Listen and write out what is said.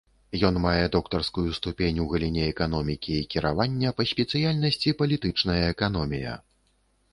Ён мае доктарскую ступень у галіне эканомікі і кіравання па спецыяльнасці палітычная эканомія.